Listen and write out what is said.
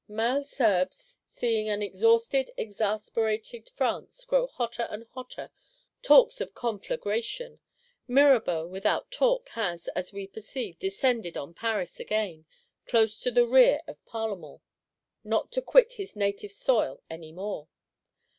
Malesherbes, seeing an exhausted, exasperated France grow hotter and hotter, talks of "conflagration:" Mirabeau, without talk, has, as we perceive, descended on Paris again, close on the rear of the Parlement,—not to quit his native soil any more.